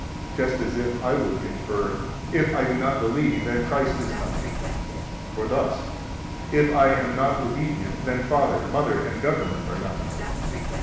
Just as if I would infer: If I do not believe, then Christ is nothing; or thus: If I am not obedient, then father, mother, and government are nothing.